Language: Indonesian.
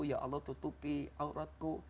ya allah tutupi awratku